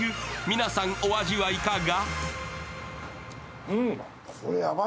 皆さん、お味はいかが？